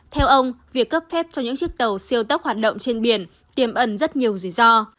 theo ông việc cấp phép cho những chiếc tàu siêu tốc hoạt động trên biển tiềm ẩn rất nhiều rủi ro